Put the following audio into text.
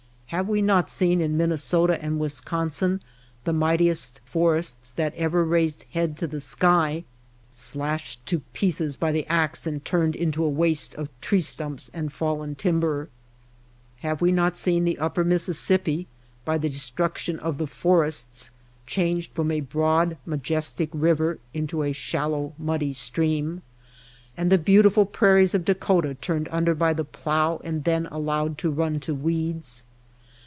Have we not seen in Minne sota and Wisconsin the mightiest forests that ever raised head to the sky slashed to pieces by the axe and turned into a waste of tree stumps and fallen timber ? Have we not seen the Upper Mississippi, by the destruction of THE BOTTOM OF THE BOWL 61 the forests, changed from a broad, majestic river into a shallow, muddy stream ; and the beantifnl prairies of Dakota turned under by the plough and then allowed to run to weeds